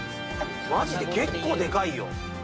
マジで結構デカいよ。